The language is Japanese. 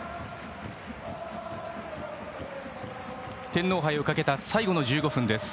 天皇杯をかけた最後の１５分です。